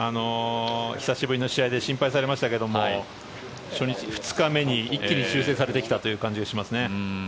久しぶりの試合で心配されましたけど２日目に一気に修正されてきた感じがしますね。